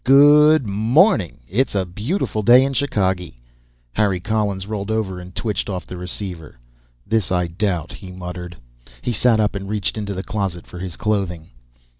"Good morning it's a beautiful day in Chicagee!" Harry Collins rolled over and twitched off the receiver. "This I doubt," he muttered. He sat up and reached into the closet for his clothing.